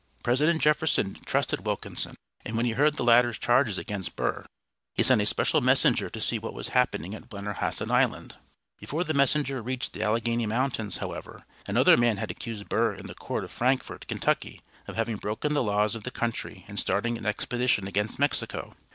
President Jefferson trusted Wilkinson, and when he heard the latter's charges against Burr he sent a special messenger to see what was happening at Blennerhassett Island. Before the messenger reached the Alleghany Mountains, however, another man had accused Burr in the court at Frankfort, Kentucky, of having broken the laws of the country in starting an expedition against Mexico.